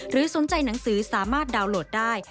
สนใจหนังสือสามารถดาวน์โหลดได้